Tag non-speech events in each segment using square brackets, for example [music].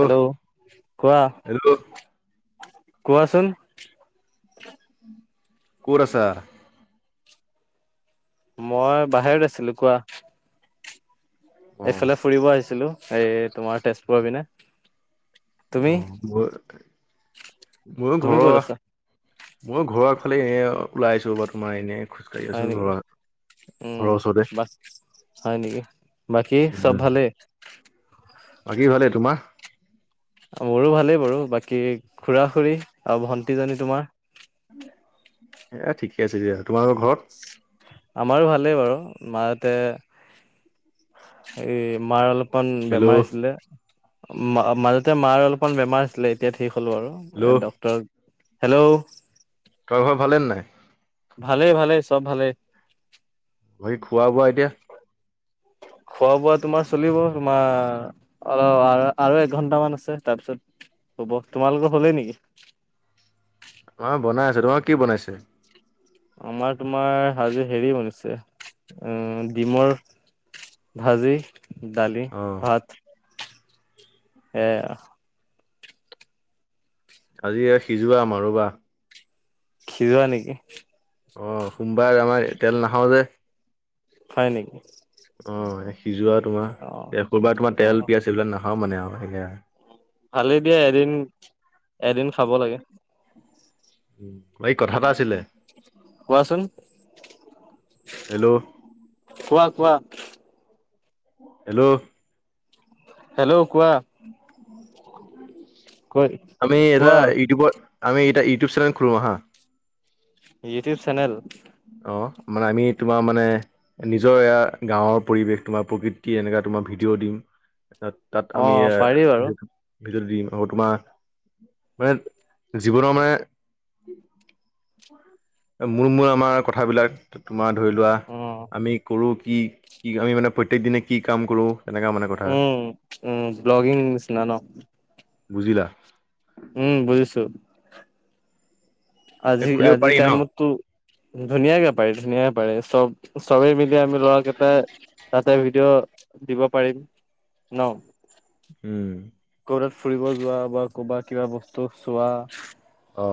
Hello কোৱা। Hello কোৱাচোন। কোত আছা? মই বাহিৰত আছিলো কোৱা। অ এইফালে ফুৰিব আহিছিলো এই তোমাৰ তেজপুৰৰ পিনে। তুমি [unintelligible] ময়ো তুমি ক'ত ঘৰৰ, আছা ময়ো ঘৰৰফালে এ ওলাই আছো তোমাৰ এনে। খোজকাঢ়ি হয় আছোঁ নেকি [unintelligible] উম বাচ হয় নেকি বাকী উম, চব ভালেই বাকী ভালে তোমাৰ মোৰো ভালেই বাৰু বাকী খুৰা খুৰী আৰু ভণ্টিজনী তোমাৰ এ ঠিকে আছে দিয়া তোমাৰোকৰ ঘৰত আমাৰো ভালেই বাৰু মাহঁতে। এই মাৰ অলপমান বেমাৰ হেল্ল' হৈছিলে। মাজতে মাৰ অলপমান বেমাৰ আছিলে এতিয়া ঠিক হলো আৰু হেল্ল' ডক্টৰ হেল্ল'। তোৰ [unintelligible] ঘৰ ভালে নাই ভালে ভালে চব ভালে। ঘৰি খোৱা বোৱা এতিয়া। [inaudible] খোৱা বোৱা তোমাৰ চলিব তোমাৰ অল আৰু এক ঘন্টামান আছে তাৰপিছত হ'ব তোমালোকৰ হ'লেই নেকি। [unintelligible] মা বনাই আছে, তোমাৰ কি বনাইছে? আমাৰ তোমাৰ আজি হেৰি বনিছে অ' ডিমৰ ভাজি, দালি, অ' ভাত এয়াই আও৷ আজি এয়া সিজোৱা মাৰুৱা খিজোৱা নেকি? অ সোমবাৰে আমাৰ তেল নাখাও যে হয় নেকি? অ' সিজোৱা তোমাৰ অ [unintelligible] তোমাৰ অ তেল পিয়াজ এইবিলাক নাখাও মানে আৰু সেয়া ভালেই দিয়া এদিন, এদিন খাব লাগে। ঐ কথা এটা আছিলে৷ কোৱাচোন। হেল্ল'। কোৱা কোৱা। হেল্ল'। হেল্ল' কোৱা। কৈ আমি এটা কোৱা ইউটিউবৰ আমি এটা ইউটিউব চেনেল খোলো আহা৷ ইউটিউব চেনেল? অ মানে আমি তোমাৰ মানে নিজৰ এয়া গাঁওৰ পৰিৱেশ তোমাৰ প্ৰকৃতি এনেকুৱা- তোমাৰ ভিডিঅ' দিম ৷তাত তাত অ আমি এয়া পাৰি বাৰু ভিডিঅ দিম আকৌ তোমাৰ মানে জীৱনৰ মানে মূল মূল আমাৰ কথাবিলাক তোমাৰ ধৰি লোৱা অ আমি কৰো কি? কি আমি মানে প্ৰত্যেক দিনে কি কাম কৰো? উম উম ব্লগিং নিচিনা ন? বুজিলা? উম বুজিছো৷ এ আজি খুলিব আজি পাৰি ন টাইমততো ধুনীয়াকে পায় ধুনীয়াাকে পাৰে৷ চব চবেই মিলি আমি ল'ৰাকেটাই তাতে ভিডিঅ' দিব পাৰিম৷ ন? উম। কবাত ফুৰিব যোৱা বা কবাত কিবা বস্তু চোৱা অ।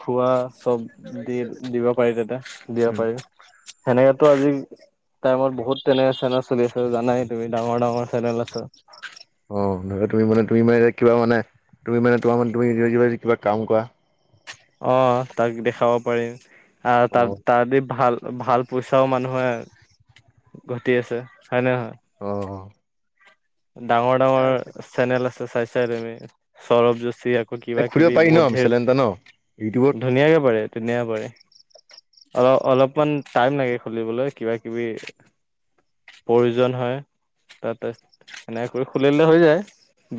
খোৱা চব দি দিব পাৰি তাতে৷দিব উম পাৰি সেনেকে তো আজি টাইমত বহুত তেনেক চেনেল চলি আছে৷ জানাই তুমি ডাঙৰ ডাঙৰ চেনেল আছে৷ অ ধৰি লোৱা তুমি মানে তুমি মানে যে কিবা মানে তুমি মানে তোমাৰ মে তুমি কিবা কাম কৰা। অ তাক দেখাব পাৰিম আহ অ তাত তাত দি ভাল ভাল পইচাও মানুহে ঘটি আছে হয় নে নহয়? অ। ডাঙৰ ডাঙৰ চেনেল আছে চাইছাই তুমি৷ সৌৰব যু ত আকৌ এ কিবা খুুলিব কিবি পাৰি ন বহুত মিছাল ধেৰ এটা ন ইউটিউবত ধুনীয়াকে পাৰে ধুনীয়া পাৰে। অ অলপমান টাইম লাগে খুলিবলৈ কিবা কিবি প্ৰয়োজন হয় তাতে। সেনেকে কৰি খুলিলে হৈ যায়।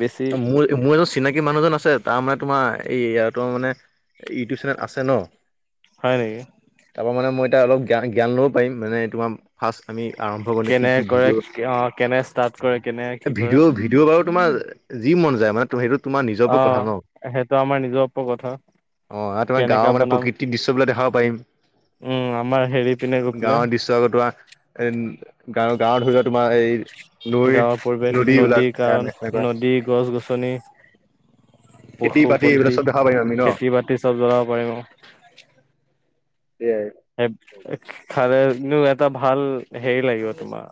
বেছি মোৰ মোৰ এজন চিনাকি মানুহজন আছে তাৰ মানে তোমাৰ এই তোমাৰ মানে ইউটিউব চেনেল আছে ন? হয় নেকি? তোমাৰ মানে মই অলপ জ্ঞান জ্ঞান ল'ব পাৰিম মানে তোমাৰ ফাৰ্ষ্ট আমি আৰম্ভ কৰিলে কি কেনে কি কৰে ভিডিঅ' অ কেনে ষ্টাৰ্ট কৰে কেনে কি কৰে ভিডিঅ' ভিডিঅ' বাৰু তোমাৰ যি মন যায় মানে তুমি সেইটো তোমাৰ নিজৰ অ ওপৰত কথা ন সেইটো আমাৰ নিজৰ ওপত কথা। অ তোমাৰ কেনেকা গাঁৱৰ মানে বনাম প্ৰকৃতিৰ দৃশ্য বিলাক দেখাব উম আমাৰ হেৰি পিনে গৈ পাৰিম৷ পেলাই গাঁৱৰ দৃশ্য কটোৱা এ গাৱৰ গাঁৱৰ ধৰি তোমাৰ এই নৈ গাঁৱৰ পৰিৱেশ নদী বিলাক এ কাৰণ নাই সনেকুৱা। নদী গছ গছনি খেতি বাতি এইবিলাক পশুপথী চব দেখাব পাৰিম আমি ন খেতি বাতি চব জ্বলাব পাৰিম। সয় আৰু। খালনো এটা ভাল হেৰি লাগিব তোমাৰ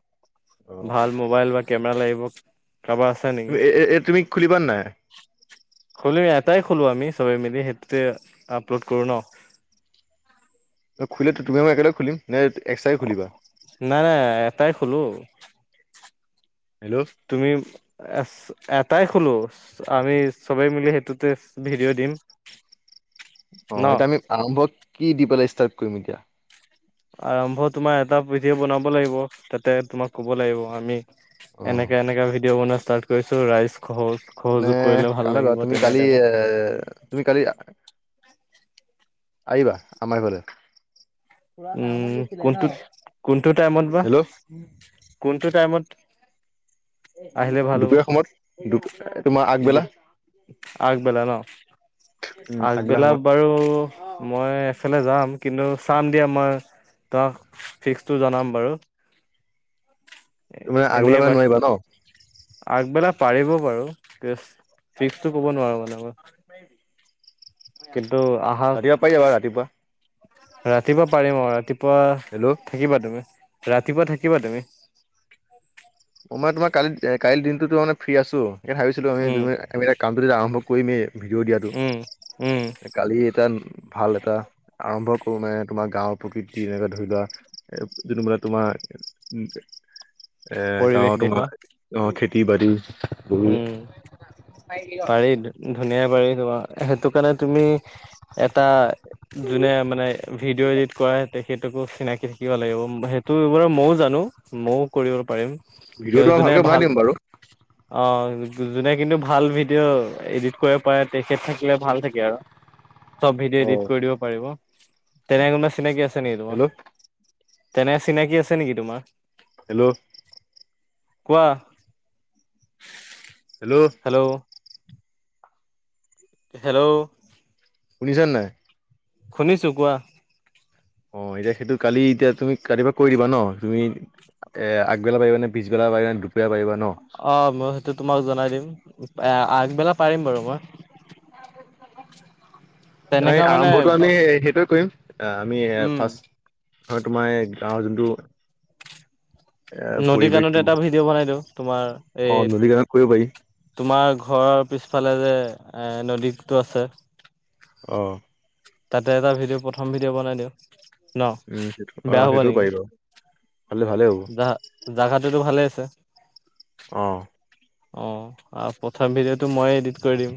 ভাল অ', মোবাইল বা কেমেৰা লাগিব। কাৰাবা আছা নেকি তুমি এ এ তুমি খুলিবা নাই? খুলি আটাই খুলো আমি চবে মিলি সেইটোতে আপলোড কৰো ন। খুলো তুমি মই একেলগে খুলিম নে এক্টাই খুলিবা। নাই নাই এটাই খোলো হেল্ল' তুমি এটাই খুলোঁ। আমি চবেই মিলি সেইটোতে ভিডিঅ' দিম। অ ন এতিয়া আমি আৰম্ভ কি দি পেলাই ষ্টাৰ্ট কৰিম এতিয়া। আৰম্ভ তোমাৰ এটা ভিডিঅ বনাব লাগিব তাতে তোমাক কব লাগিব আমি। অ'। এনেকে এনেকাে ভিডিঅ' বনোৱা ষ্টাৰ্ট কৰিছো ৰাইচ। নে [inaudible] তুমি কালি টাইপৰ এ তুমি কালি আহিবা আমাৰ ঘৰলে পুৰা টাউনত উম গৈছিলে ন কোনটোত কোনটো টাইমত বা হেল্ল' কোনটো টাইমত। আহিলে ভাল হ'ব? দুপৰীয়া সময়ত দু তোমাৰ আগবেলা আগ বেলা ন। উম, আগবেলা সময়ত বাৰু মই এফালে যাম কিন্তু চাম [inaudible] ত মানে আগলৈ এনেই বা মানে নোৱাৰিবা ন আগবেলা পাৰিব বাৰু ফিক্সটো কব নোৱাৰো মানে মই। কিন্তু আহা ৰাতিপুৱা পাই যাবা ৰাতিপুৱা ৰাতিপুৱা পাৰিম আৰু ৰাতিপুৱা হেল্ল' থাকিবা তুমি। ৰাতিপুৱা থাকিবা তুমি। অ' মই তোমাৰ কালি কালিৰ দিনটোো মান ফ্ৰী আছো স উম, ভাবিছিলো কামটো আৰম্ভ কৰি কৰিমেই ভিডিঅ' উম, উম, দিয়াটো কালি এটা ভাল এটা আৰম্ভ। মে তুমাৰ গাৱৰ প্ৰকৃতি এনেকুৱা ধৰি লোৱা যোনটো বোলে তোমাৰ উ এ পৰিৱেশ গাঁৱৰ দেখুৱা তোমাৰ খেতি [inaudible] উম পাৰি ধুনীয়া পাৰি। সেইটো কাৰণে তুমি এটা যোনে মানে ভিডিঅ' এডিট কৰা তেখেত। চিনাকি থাকিব লাগিব সেইটোব ময়ও জানো ময়ও কৰিব পাৰিম। তেওঁ ভিডিঅ'টো যোনে ভালকে বনাই ভাল দিম বাৰু। অ' যোনে কিন্তু ভাল ভিডিঅ' এডিট কৰিব পাৰে তেখেত থাকিলে ভাল থাকে আৰু চব ভিডিঅ' অ এডিট কৰি দিব পাৰিব তেনে কোনোবা চিনাকি আছে নেকি তোমাৰ। হেল্ল' তেনে চিনাকি আছে নেকি তোমাৰ হেল্ল' কোৱা হেল্ল' হেল্ল' বুজিছা নাই। শুনিছোঁ কোৱা। অ' এতিয়া সেইটো কালি এতিয়া তুমি ৰাতিপা কৰি দিবা ন তুমি এ আগবেলা পাৰিব নেিবেলা পাৰিব নে দুপেলাৰ পাৰিবাে অ' মই সেইটো তোমাক জনাই দিম আগবেলা পাৰিম বাৰু মই। এনে তেনেকা আৰম্ভ মানে আমি সেইটোয়ে কৰিম আমি উম। ফাৰ্ষ হয় তোমাৰ এই গাঁৱৰ যোনটো এ নদী কানত পৰিৱেশটো এটা ভিডিঅ' বনাই দিওঁ তোমাৰ অ নদী কাণত কৰিব পাৰি এই তোমাৰ ঘৰৰ পিছফালে যে এ নদীটো আছে। অ'। তাতে এটা ভিডিঅ' প্ৰথম ভিডিঅ' বনাই দিওঁ। ন উম সেইটো বেয়া অ', হ'ব সেইটোও নেকি পাৰিব ভালে ভালে হ'ব। জা জাগাটোতো ভালে আছে? অ'। অ' প্ৰথম ভিডিঅ'টো মই এডিট কৰি দিম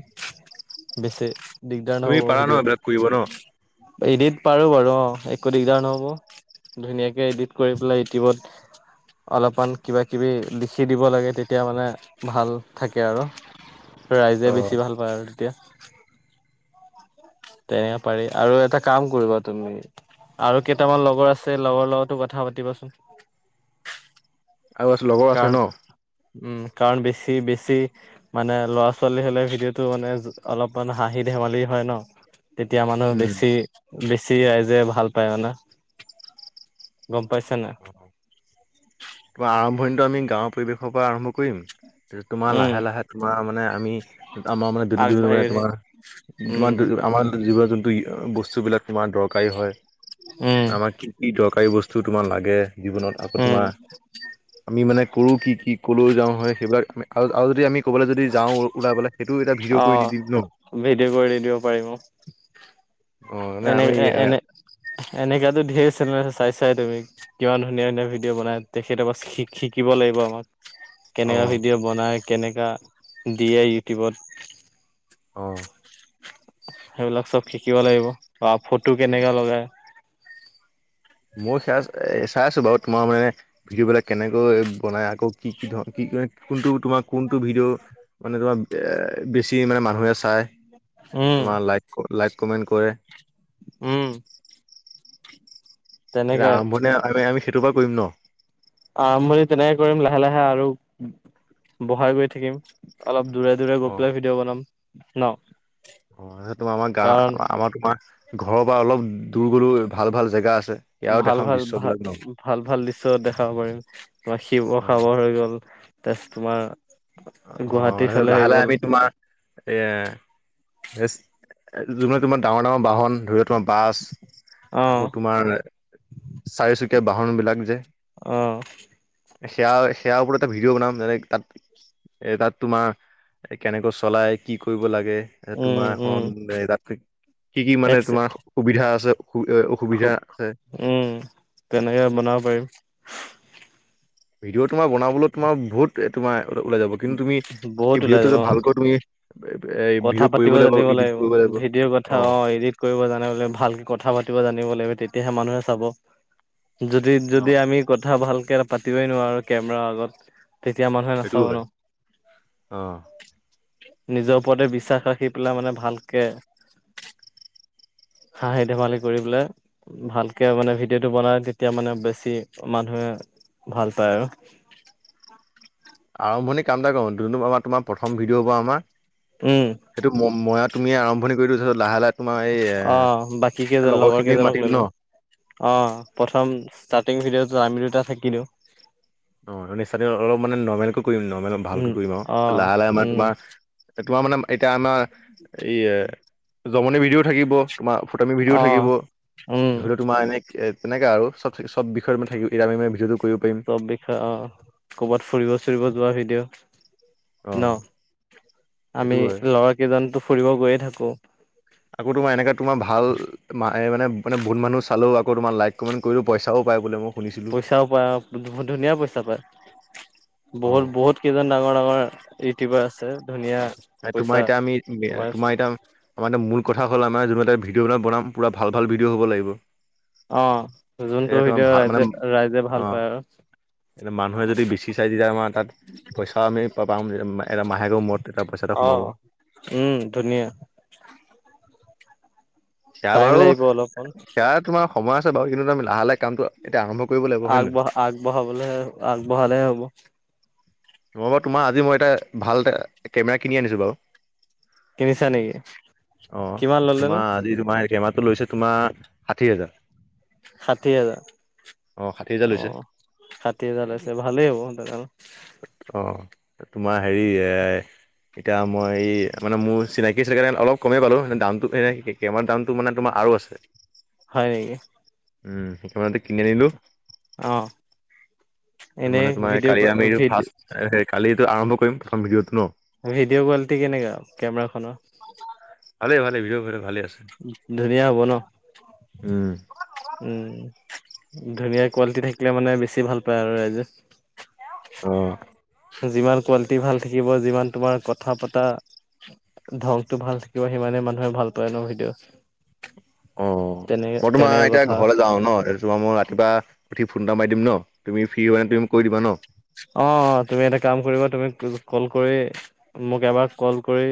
বেছি। দিগদাৰ তুমি নহব পাৰা ন এইবিলাক কৰিব ন সেইটোও এদিত পাৰো বাৰু অ' একো দিগদাৰ নহব। ধুনীয়াকে এডিট কৰি পেলাই ইউটিউবত। অলপমান কিবা কিবি লিখি দিব লাগে তেতিয়া মানে। ভাল থাকে আৰু, ৰাইজে অ বেছি ভাল পায় আৰু তেতিয়া। তেনেকে পাৰি আৰু এটা কাম কৰিবা তুমি। আৰু কেইটামান লগৰ আছে লগৰ লগতো কথা পাতিবাচোন। আৰু আছে লগৰ আছে কাৰণ ন। উম কাৰণ বেছি বেছি মানে ল'ৰা-ছোৱালী হলে ভিডিঅ'টো মানে অলপমান হাঁহি দ ধেমালি হয় ন'। তেতিয়া মানুহে উম বেছি বেছি ৰাইজে ভাল পায় মানে। গম পাইছ না। অ। তোমাৰ আৰম্ভণিটো আমি গাঁৱৰ পৰিৱেশৰ পৰা আৰম্ভ কৰিম, তোমাৰ উম লাহে লাহে তোমাৰ মানে আমি। আমাৰ মানে [unintelligible] তোমাৰ আগবাঢ়ি তোমাৰ উম [unintelligible] আমাৰ জীৱ-জন্তু। দুই বস্তুবিলাক তোমাৰ দৰকাৰী হয়, উম আমাৰ কি কি দৰকাৰী বস্তু তোমাৰ লাগে। জীৱনত আকৌ উম তোমাৰ আমি মানে কৰো কি কি কলৈ যাওঁ হয় সেইবিলাক আমি। আৰু আৰু যদি আমি। ক'ৰবালে যদি যাওঁ ওলাই পেলাই সেইটো এটা অ ভিডিঅ' কৰি দি দিম ন'? [inaudible] ভিডিঅ' কৰি দিব পাৰিম মানে এনে আমি এ এনে এনেকা ত' ধেৰ চেনেল। চাইচায় তুমি, কিমান ধুনীয়া ধুনীয়া ভিডিঅ' বনাই তেখেতৰ পৰা শি শিকিব লাগিব আমাক। অ কেনেকা ভিডিঅ' বনাই কেনেকা দিয়ে ইউটিউবত। অ'। সেইবিলাক চব শিকিব লাগিব আৰু ফটো কেনেকা লগাই। মই সেয়া এ চাই আছো বাৰু তোমাৰ মানে ভিডিঅ' বিলাক কেনেকৈ বনাই আকৌ। কি কি ধৰ কি কোনটো। তোমাৰ কোনটো ভিডিঅ' মানে তোমাৰ এ বেছি মানে মানুহে চাই। উম। তোমাৰ লাইক লাইক কমেণ্ট কৰে। উম। এতিয়া তেনেকাই আৰম্ভনিতে আমি আমি সেইটো বাৰু কৰিম ন'? আৰম্ভণি তেনেকে কৰিম লাহে লাহে আৰু বহাই গৈ থাকিম অলপ। দূৰে দূৰে অ গৈ পেলাই ভিডিঅ' বনাম ন'? তোমাৰ আমাৰ গা কাৰণ আমাৰ তোমাৰ ঘৰৰ পৰা অলপ দূৰ গলো ভাল ভাল জেগা আছে। ইয়াৰো ভাল দেখাম ভাল ভাল দৃশ্যবিলাক ন ভাল ভাল দৃশ্য দেখাব পাৰিম। তোমাৰ অ শিৱসাগৰ হৈ গ'ল তাৰছ তোমাৰ। অ' গুৱাহাটী তাৰপিছ ফালে হৈ লাহে লাহে গ'ল আমি তোমাৰ এ। এ যোনে তোমাৰ ডাঙৰ ডাঙৰ বাহন ধৰি লওঁক। তোমাৰ বাছ অ আকৌ তোমাৰ চাৰিচুকীয়া বাহন বিলাক যে। অ সেয়া সেয়াৰ ওপৰত এটা ভিডিঅ' বনাম যেনে তাত। এ তাত তোমাৰ কেনেকৈ চলাই কি কৰিব লাগে। এ উম, তোমাৰ উম, এখন [unintelligible] কি কি এক মানে তোমাৰ সুবিধা আছে। অ' অসুবিধা আছে। উম, তেনেকে বনাব পাৰিম। ভিডিঅ' তোমাৰ বনাবলৈ তোমাৰ বহুত তোমাৰ। ওলাই যাব কিন্তু তুমি বহুত সেই ওলাই যাব ভিডিঅ'টো অ', ভালকৈ তুমি এই কথা ভিডিঅ' কৰিব পাতিব জানিব এডিট লাগিব কৰিব ভিডিঅৰ কথা অ এডিট কৰিব জানিব লাগিব ভালকে কথা পাতিব জানিব লাগিব তেতিয়াহে মানুহে চাব যদি যদি ন আমি কথা ভালকে পাতিবই নোৱাৰো কেমেৰাৰ আগত তেতিয়া মানুহে সেইটোও নাচাব ন হয় অ নিজৰ ওপৰতে বিশ্বাস ৰাখি পেলাই মানে ভালকে [inaudible] হাঁহি ধেমালি কৰি পেলাই ভালকে মানে ভিডিঅ'টো বনাই তেতিয়া মানে বেছি মানুহে ভাল পায় আৰু [inaudible] আৰম্ভণি কাম এটা কৰো যোনটো আমাৰ তোমাৰ প্ৰথম ভিডিঅ' হ'ব আমাৰ উম, সেইটো মই তুমিয়ে আৰম্ভণি কৰি দিও তাৰপিছত লাহে লাহে তোমাৰ এই এ অ' বাকী কেইজন লগৰ লগৰখিনিক কেইজনক মাতিম লৈ ন লম অ প্ৰথম তাত [unintelligible] ভিডিঅটো আমি দুটা থাকি দিওঁ। [unintelligible] অলপ মানে নৰ্মেলকৈ কৰিম নৰ্মেল উম ভালকৈ কৰিম আৰু অ লাহে লাহে আমাৰ উম তোমাৰ তোমাৰ মানে এতিয়া আমাৰ এই জমনি ভিডিঅ'ও থাকিব। তোমাৰ ফটুৱামি ভিডিঅও অ থাকিব উম ধৰি লওঁ তোমাৰ এনে। তেনেকা আৰু চব চব বিষয় [unintelligible] ভিডিঅটো। কৰিব পাৰিম চব বিষয় অ কৰ'বাত ফুৰিব চুৰিব যোৱা ভিডিঅ'। অ ন সেইটো আমি হয় লৰা কেইজনতো ফুৰিব গৈয়ে থাকো। আকৌ তোমাৰ এনেকা তোমাৰ ভাল মানে মানে বহুত মানুহ চালেও আ তোমাৰ লাইক কমেণ্ট কৰিলেও পইচাও পাই মোক পইচাও পায় ধুনীয়া পইচা পায়। অ বহুত, বহুত কেইজন ডাঙৰ ডাঙৰ ইউটিউবাৰ আছে। ধুনীয়া পইচা তোমাৰ এতিয়া আমি কমাই তোমাৰ এতিয়া আমাৰ এতিয়া মূল। কথা হ'ল আমৰ [unintelligible] ভিডিঅ'বিলাক বনাম পুৰা ভাল ভাল ভিডিঅ' হ'ব লাগিব। অ', তেতিয়া যোনটো তোমাৰ ভিডিঅ' ৰাইজে, ৰাইজে ভাল পায় আৰু এ মানুহে যদি বেচি চাই তেতিয়া আমাৰ তাত পইচাও আমি পাম এটা মাহেকৰ মূৰত। এটা পইচা এটা সোমাব অ', উম ধুনীয়া। [inaudible] সেয়া টাইম বাৰু লাগিব অলপমান সেয়া তোমাৰ সময় আছে বাৰু কিন্তু তুমি লাহে লাহে কামটো এতিয়া আৰম্ভ কৰিব লাগিব হয় নে আগবঢ়া আগবঢ়াবলৈ আগবঢ়ালেহে হ'ব। অ', বাৰু তোমাৰ আজি মই এটা ভাল এ কেমেৰা কিনি আনিছো বাৰু। কিনিছা নেকি? অ', কিমান ল'লেনো? তোমাৰ তোমাৰ কেমেৰাটো লৈছে তোমাৰ ষাঠি হাজাৰ। ষাঠি হাজাৰ। অ ষাঠি হাজাৰ অ লৈছে ষাঠি হাজাৰ লৈছে ভালেই হ'ব। অ তোমাৰ হেৰি এ এতিয়া মই এই মানে মোৰ চিনাকি আছিলে কাৰণে অলপ কমেই পালো দামটো কেমেৰা দামটো মানে তোমাৰ আৰু আছে। হয় নেকি। উম [unintelligible] কিনি আনিলো। অ', এনেই মানে তোমাৰ ভিডিঅ' কালি আমি এই ভিড ফাৰ্ষ্ট কালি এইটো আৰম্ভ কৰিম প্ৰথম ভিডিঅ'টো ন। ভিডিঅ' কোৱালিটি কেনেকা কেমেৰা খনৰ। ভালে ভালে ভিডিঅ' ভালে। আছে। ধুনীয়া হব ন। উম, উম, ধুনীয়া কোৱালিটি থাকিলে মানে বেছি ভাল পায় আৰু ৰাইজে। অ'। যিমান কোৱালিটি ভাল থাকিব যিমান তোমাৰ কথা পতা ধংটো ভাল থাকিব সিমানে মানুহে ভাল পায় ন ভিডিঅ'। অ তেনে মই তোমাৰ তেনেকে এতিয়া কথা ঘৰলে যাও ন তোমাৰ মই ৰাতিপুৱা উঠি ফোন এটা মাৰি দিম ন। তুমি ফ্ৰী হয় নে তুমি মোক কৈ দিবা ন? অ, তুমি এটা কাম কৰিবা। কল কৰে মোক এবাৰ কল কৰি